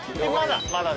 まだ。